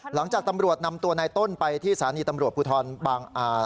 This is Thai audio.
หลังจากตำรวจนำตัวนายต้นไปที่สถานีตำรวจภูทรบางอา